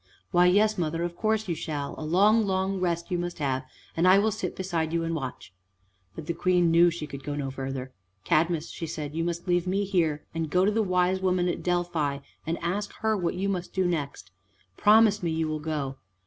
"Why, yes, mother, of course you shall, a long, long rest you must have, and I will sit beside you and watch." But the Queen knew she could go no further. "Cadmus," she said, "you must leave me here, and, go to the wise woman at Delphi and ask her what you must do next. Promise me you will go!"